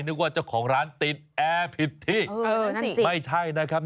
นึกว่าเจ้าของร้านติดแอร์ผิดที่